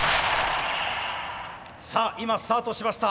さあ今スタートしました。